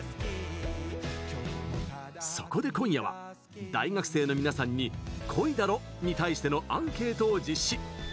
そこで今夜は大学生の皆さんに「恋だろ」に対してのアンケートを実施。